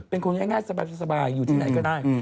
เป็นคนง่ายสบายอยู่ที่ไหนก็ได้